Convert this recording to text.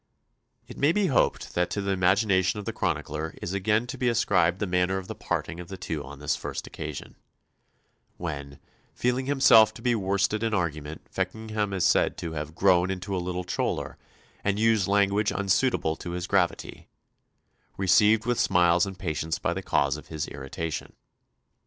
It may be hoped that to the imagination of the chronicler is again to be ascribed the manner of the parting of the two on this first occasion, when, feeling himself to be worsted in argument, Feckenham is said to have "grown into a little choler," and used language unsuitable to his gravity, received with smiles and patience by the cause of his irritation.